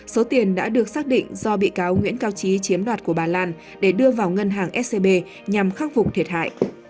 số tiền đã được xác định do bị cáo nguyễn cao trí chiếm đoạt của bà lan để đưa vào ngân hàng scb nhằm khắc phục thiệt hại